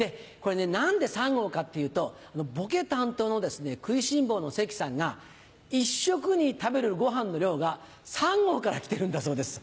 何で３号かっていうとボケ担当の食いしん坊の関さんが１食に食べるご飯の量が３合から来てるんだそうです。